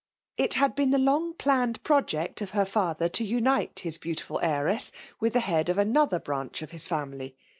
It had been the long jdanned project of her father to unite his beautifiil heiresa ivith the head of another ^^f^^ of his family.